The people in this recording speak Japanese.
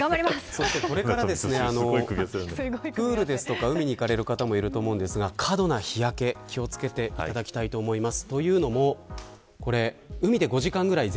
そして、これからプールや海に行かれる方もいると思うんですが過度な日焼け、気を付けていただきたいと思います。